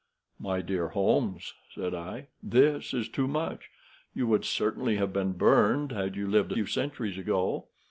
"My dear Holmes," said I, "this is too much. You would certainly have been burned had you lived a few centuries ago.